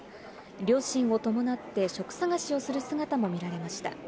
両親を伴って、職探しをする姿も見られました。